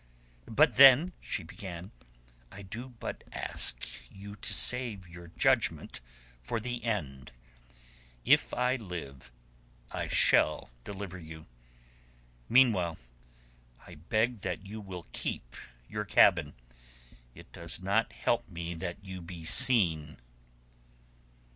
"But then...." she began. "I do but ask you to save your judgment for the end. If I live I shall deliver you. Meanwhile I beg that you will keep your cabin. It does not help me that you be seen."